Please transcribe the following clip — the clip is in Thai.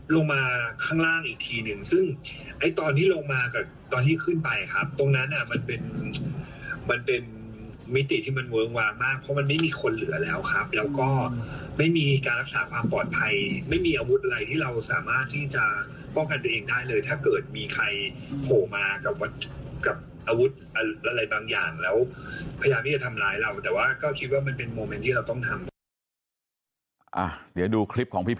ลงมาข้างล่างอีกทีหนึ่งซึ่งไอ้ตอนที่ลงมากับตอนที่ขึ้นไปครับตรงนั้นอ่ะมันเป็นมันเป็นมิติที่มันเวิ้งวางมากเพราะมันไม่มีคนเหลือแล้วครับแล้วก็ไม่มีการรักษาความปลอดภัยไม่มีอาวุธอะไรที่เราสามารถที่จะป้องกันตัวเองได้เลยถ้าเกิดมีใครโผล่มากับอาวุธอะไรบางอย่างแล้วพยายามที่จะทำร้ายเราแต่ว่าก็คิดว่ามันเป็นโมเมนต์ที่เราต้องทำได้